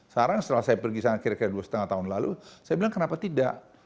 sekarang setelah saya pergi sana kira kira dua lima tahun lalu saya bilang kenapa tidak